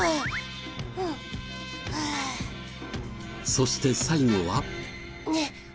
そして最後は。